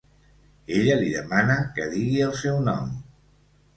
Ella li demana que "digui el seu nom".